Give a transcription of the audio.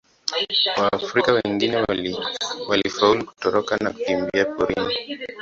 Waafrika wengine walifaulu kutoroka na kukimbia porini.